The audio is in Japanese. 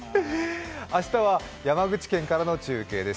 明日は山口県からの中継です。